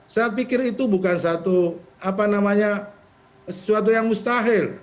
saya pikir itu bukan satu apa namanya sesuatu yang mustahil